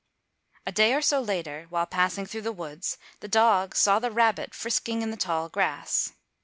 A day or so later while passing through the woods the dog saw the rabbit frisking in the tall grass.